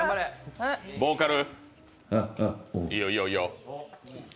ボーカル。